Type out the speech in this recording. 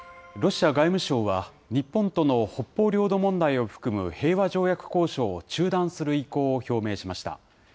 ロシア外務省は、日本との北方領土問題を含む平和条約交渉を中断する意向を表明しました。